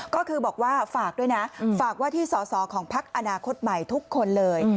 ก็คือบอกว่าฝากด้วยนะฝากว่าที่สอสอของพักอนาคตใหม่ทุกคนเลย